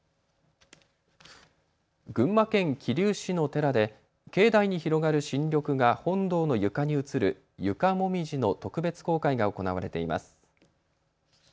群馬県桐生市の寺で境内に広がる新緑が本堂の床に映る床もみじの特別公開が行われています。